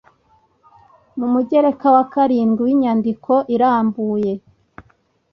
mu mugereka wa karindwi w'inyandiko irambuye